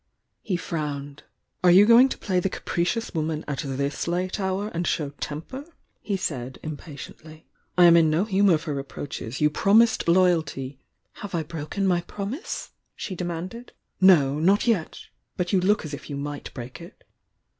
He frowned. "Are you going to play the capricious woman at this late hour and show temper?" he said, impatient ly. "I am in no humour for reproaches. You prom ised loyalty " "Have I broken my promise?" she demanded. "No — not yet! But you look as if you might break it!"